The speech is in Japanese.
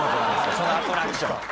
そのアトラクション。